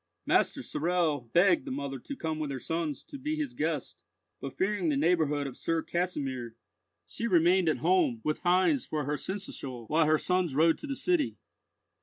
Master Sorel begged the mother to come with her sons to be his guest; but fearing the neighbourhood of Sir Kasimir, she remained at home, with Heinz for her seneschal while her sons rode to the city.